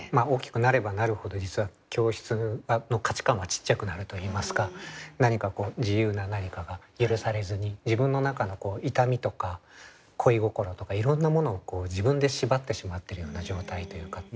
大きくなればなるほど実は教室の価値観はちっちゃくなるといいますか自由な何かが許されずに自分の中の痛みとか恋心とかいろんなものを自分で縛ってしまっているような状態というか。